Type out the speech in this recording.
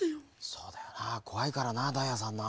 そうだよなこわいからなダイヤさんな。